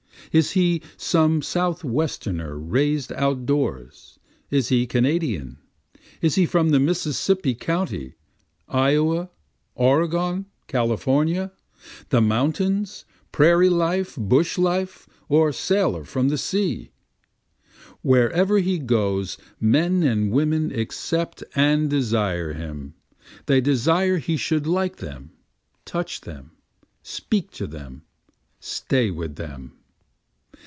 Is he some Southwesterner rais'd out doors? is he Kanadian? Is he from the Mississippi country? Iowa, Oregon, California? The mountains? prairie life, bush life? or sailor from the sea? Wherever he goes men and women accept and desire him, They desire he should like them, touch them, speak to them, stay with them.